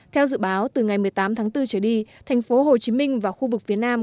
theo dự báo từ ngày một mươi tám tháng bốn trở đi thành phố hồ chí minh và khu vực phía nam